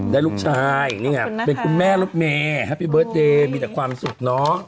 ได้ลูกชายเป็นคุณแม่ลูกแม่มีแต่ความสุขเนอะขอบคุณค่ะ